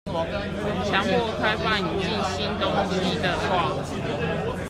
強迫開放、引進新東西的話